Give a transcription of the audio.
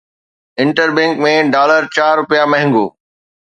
inter bank ۾ dollar چار رپيا مهانگو